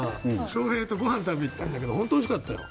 翔平とごはん食べ行ったんだけど本当、おいしかったよ。